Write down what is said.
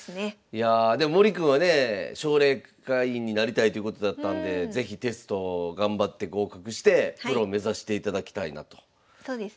いやあで森君はね奨励会員になりたいということだったんで是非テスト頑張って合格してプロ目指していただきたいなと思います。